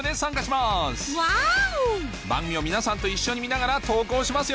番組を皆さんと一緒に見ながら投稿しますよ